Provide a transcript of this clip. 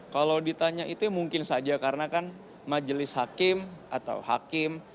kalau ditanya itu mungkin saja karena kan majelis hakim atau hakim